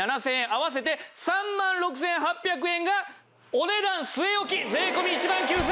合わせて３万６８００円がお値段据え置き税込１万９８００円です！